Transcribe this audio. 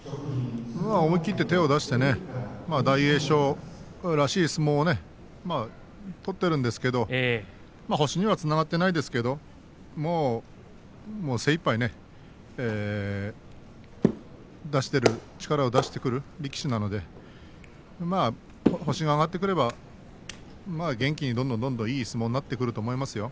思い切って手を出して大栄翔らしい相撲を取っているんですけど星にはつながっていないですけどもう精いっぱい力を出してくる力士なので星が挙がってくれば元気にどんどんいい相撲になってくると思いますよ。